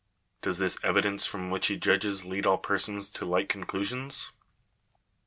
Does this evidence from which he judges lead all persons to like conclusions?